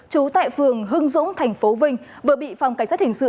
trú tại phường hưng dũng thành phố vinh vừa bị phòng cảnh sát hình sự